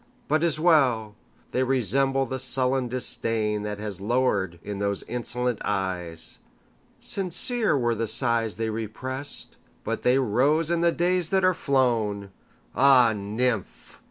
But 't is well!—they resemble the sullen disdainThat has lowered in those insolent eyes. Sincere were the sighs they represt, But they rose in the days that are flown! Ah, nymph!